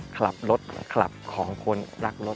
ขลับรถและขลับของคนรักรถ